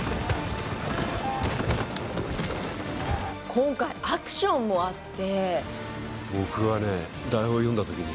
今回、アクションもあって。